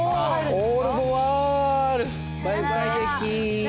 オールボワール！